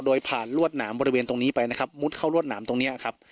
โดยผ่านลวดหนามบริเวณตรงนี้ไปนะครับมุดเข้ารวดหนามตรงนี้ครับ